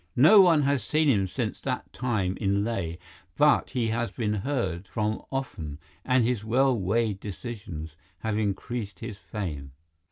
No one has seen him since that time in Leh, but he has been heard from often, and his well weighed decisions have increased his fame.